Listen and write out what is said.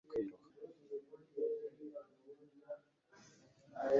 umugore wari wimanitse imyenda mu gikari, yatangiye kwiroha